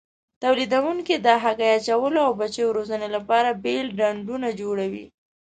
تولیدوونکي د هګۍ اچولو او بچیو روزنې لپاره بېل ډنډونه جوړوي.